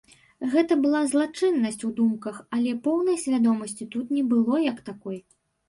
Гэта была злачыннасць у думках, але поўнай свядомасці тут не было як такой.